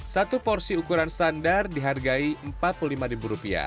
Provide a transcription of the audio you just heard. satu porsi ukuran standar dihargai rp empat puluh lima